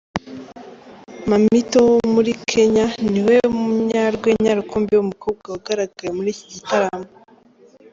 Mammito wo muri Kenya, ni we munyarwenya rukumbi w’umukobwa wagaragaye muri iki gitaramo.